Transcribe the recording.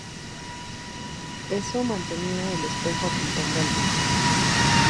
Esto mantenía el espejo apuntando al blanco.